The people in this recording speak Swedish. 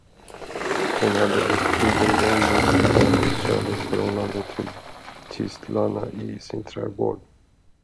Hon hade ett egendomligt hatiskt kärleksförhållande till tistlarna i sin trädgård.